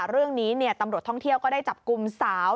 เรื่องนี้ตำรวจท่องเที่ยวก็ได้จับกลุ่มสาว